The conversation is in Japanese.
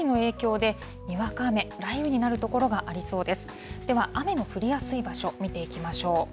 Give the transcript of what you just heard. では、雨の降りやすい場所、見ていきましょう。